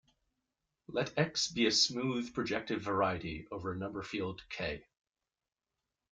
Let "X" be a smooth projective variety over a number field "K".